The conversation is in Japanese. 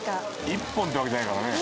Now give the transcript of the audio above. １本ってわけじゃないからね。